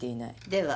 では。